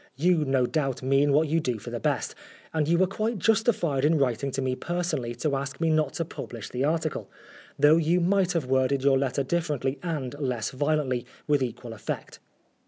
You no doubt mean what you do for the best, and you were quite justified in writing to me personally to ask me not to publish the article, though you might have worded your letter differently and less violently, with equal effect.